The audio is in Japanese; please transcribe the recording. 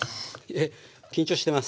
えっ緊張してます。